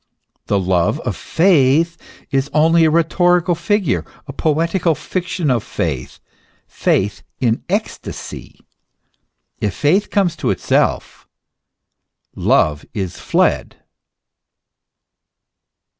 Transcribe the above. The love of faith is only a rhetorical figure, a poetical fiction of faith, faith in ecstasy. If Faith conies to itself, Love is fled.